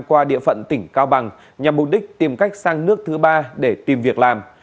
qua địa phận tỉnh cao bằng nhằm mục đích tìm cách sang nước thứ ba để tìm việc làm